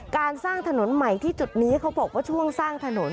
การสร้างถนนใหม่ที่จุดนี้เขาบอกว่าช่วงสร้างถนน